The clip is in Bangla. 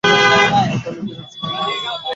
কোথায় লুকিয়ে রেখেছিলেন এই কয়দিন?